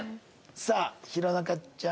さあ弘中ちゃん。